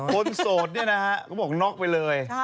คนโสดนี่นะครับก็บอกน๊อกไปเลย